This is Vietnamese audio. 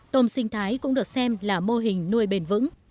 tôm sinh thái cũng được xem là mô hình nuôi bền vững